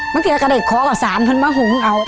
เมื่อกี้ก็ได้ขอกับสามเพื่อนมาหุ้งเอา